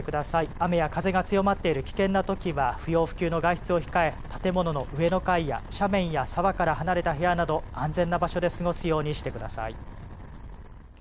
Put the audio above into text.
雨や風が強まっている危険なときは不要不急の外出を控え、建物の上の階や斜面や沢から離れた部屋など安全な場所で過ごすようにしてください。